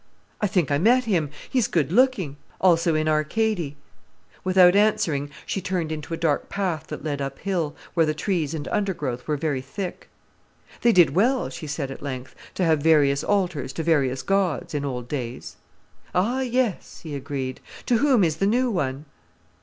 "I think I met him. He is good looking—also in Arcady." Without answering, she turned into a dark path that led up hill, where the trees and undergrowth were very thick. "They did well," she said at length, "to have various altars to various gods, in old days." "Ah yes!" he agreed. "To whom is the new one?"